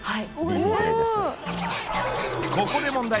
ここで問題